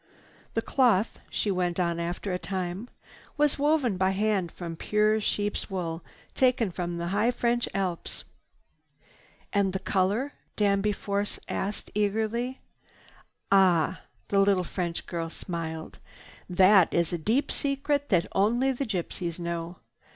"The cloth," she went on after a time, "was woven by hand from pure sheep's wool taken from the high French Alps." "And the color?" Danby Force asked eagerly. "Ah h—" the little French girl smiled. "That is a deep secret that only the gypsies know.